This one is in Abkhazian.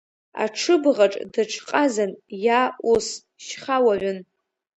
Аҽыбӷаҿ дыҽҟазан, иа ус, шьха уаҩын.